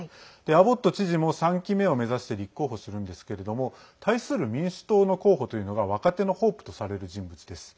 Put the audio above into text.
アボット知事も３期目を目指して立候補するんですけれども対する民主党の候補というのが若手のホープとされる人物です。